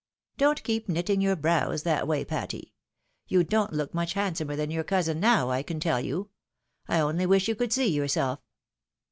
Don't keep knitting your brows that way, Patty. You don't look much handsomer than your cousin now, I can tell you. I only wish you could see yourself."